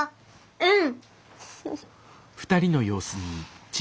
うん。